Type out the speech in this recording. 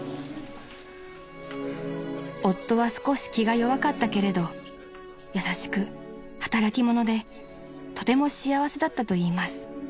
［夫は少し気が弱かったけれど優しく働き者でとても幸せだったといいます］